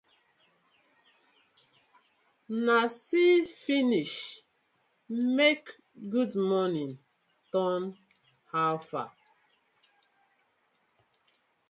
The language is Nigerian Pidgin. Na see finish make “good morning” turn “how far”: